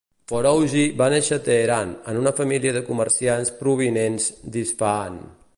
Foroughi va néixer a Teheran en una família de comerciants provinents d'Isfahan.